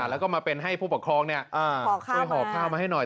แล้วก็มาเป็นให้ผู้ปกครองช่วยห่อข้าวมาให้หน่อย